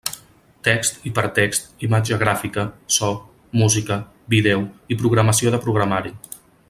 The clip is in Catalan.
Text, hipertext, imatge gràfica, so, música, vídeo i programació de programari.